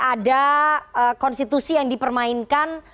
ada konstitusi yang dipermainkan